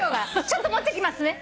ちょっと持ってきますね。